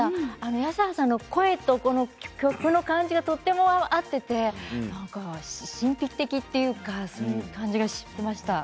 泰葉さんの声と曲の感じがとても合っていて神秘的な感じがしていました。